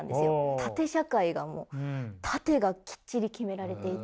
縦社会がもう縦がきっちり決められていて。